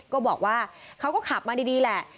ก็บอกว่าเขาก็ขับมาดีแหละ